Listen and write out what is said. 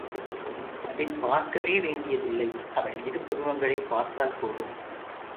அதைப் பார்க்கவே வேண்டியதில்லை அவள் இரு புருவங்களைப் பார்த்தால்போதும்.